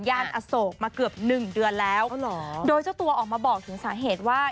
อโศกมาเกือบหนึ่งเดือนแล้วโดยเจ้าตัวออกมาบอกถึงสาเหตุว่า